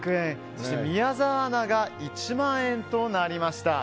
そして宮澤アナが１万円となりました。